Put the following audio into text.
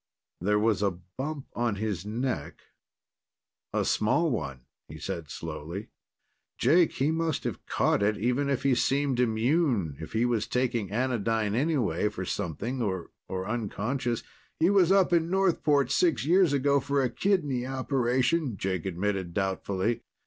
"There was a bump on his neck a small one," he said slowly. "Jake, he must have caught it, even if he seemed immune. If he was taking anodyne anyway for something or unconscious " "He was up in Northport six years ago for a kidney operation," Jake admitted doubtfully.